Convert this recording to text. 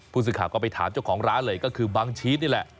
ผู้สื่อข่าวก็ไปถามเจ้าของร้านเลยก็คือบังชีสนี่แหละ